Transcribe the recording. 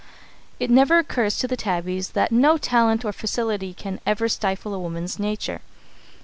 It never occurs to the tabbies that no talent or facility can ever stifle a woman's nature.